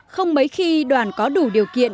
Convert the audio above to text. không mấy khi đoàn có đủ điều kiện